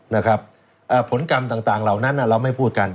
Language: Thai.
นะครับผลกรรมต่างเหล่านั้นเราไม่พูดกัน